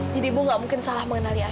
jadi bu tidak mungkin salah mengenali ayah